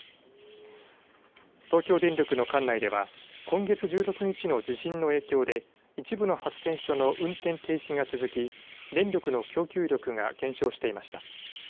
東京電力の管内では今月１６日の地震の影響で一部の発電所の運転停止が続き電力の供給力が減少していました。